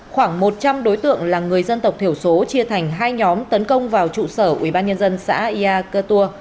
khoảng một trăm linh đối tượng là người dân tộc thiểu số chia thành hai nhóm tấn công vào trụ sở ubnd xã ia cơ tua